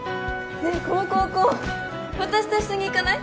ねえこの高校私と一緒に行かない？